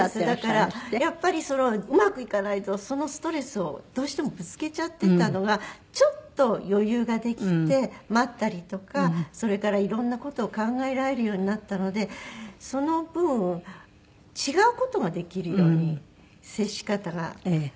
だからやっぱりうまくいかないとそのストレスをどうしてもぶつけちゃってたのがちょっと余裕ができて待ったりとかそれからいろんな事を考えられるようになったのでその分違う事ができるように接し方が。